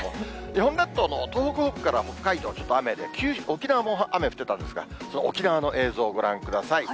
日本列島の東北北部から北海道は雨で、沖縄も雨降ってたんですが、沖縄の映像、ご覧ください。